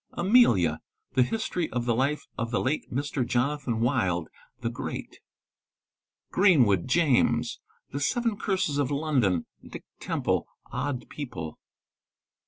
—Amelia—The History of the life of the late Mn. | Jonathan Wild the Great. Greenwood (James).—The Seven Curses of London.—Dick Teraple. Odd People.